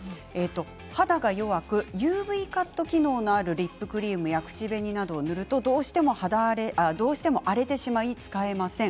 肌が弱くＵＶカット機能のあるリップクリームや口紅などを塗るとどうしても荒れてしまい使えません。